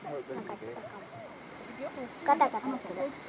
ガタガタする。